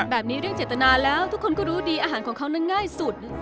แบบนี้เรื่องเจตนาแล้วทุกคนก็รู้ดีอาหารของเขานั้นง่ายสุด